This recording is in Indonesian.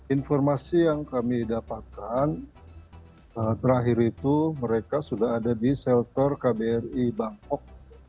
informasi yang kami dapatkan terakhir itu mereka sudah ada di shelter kbri bangkok